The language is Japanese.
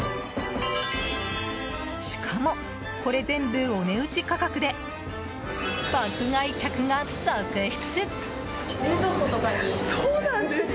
しかも、これ全部お値打ち価格で爆買い客が続出！